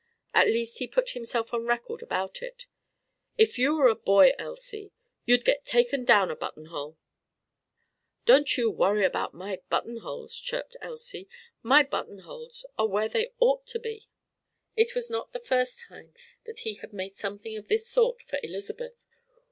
At least he put himself on record about it: "If you were a boy, Elsie, you'd get taken down a buttonhole!" "Don't you worry about my buttonholes!" chirped Elsie. "My buttonholes are where they ought to be!" It was not the first time that he had made something of this sort for Elizabeth.